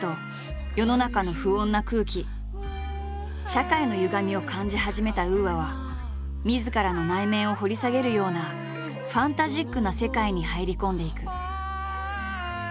社会のゆがみを感じ始めたＵＡはみずからの内面を掘り下げるようなファンタジックな世界に入り込んでいく。